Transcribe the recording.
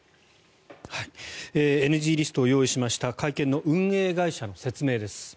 ＮＧリストを用意しました会見の運営会社の説明です。